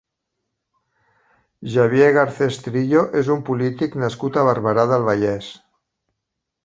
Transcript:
Xavier Garcés Trillo és un polític nascut a Barberà del Vallès.